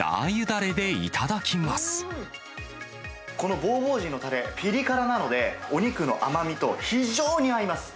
このボーボージーのたれ、ピリ辛なので、お肉の甘みと非常に合います。